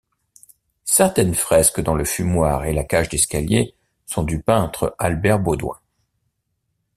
Certaines fresques dans le fumoir et la cage d’escalier sont du peintre Albert Baudouin.